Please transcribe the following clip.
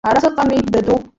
Ара сыҟами, даду!